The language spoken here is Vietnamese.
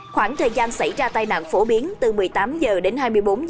khoảng thời gian xảy ra tai nạn phổ biến từ một mươi tám h đến hai mươi bốn h